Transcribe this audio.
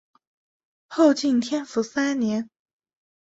后晋天福三年。